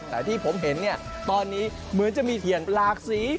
แต่ที่ผมเห็นตอนนี้เหมือนจะมีเห็นหลากสี